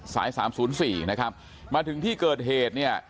สาย๓๐๔นะครับมาถึงที่เกิดเหตุ